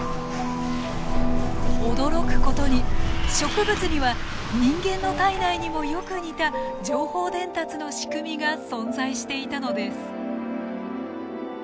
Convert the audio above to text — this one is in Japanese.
驚くことに植物には人間の体内にもよく似た情報伝達の仕組みが存在していたのです。